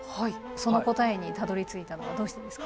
その答えにたどりついたのはどうしてですか？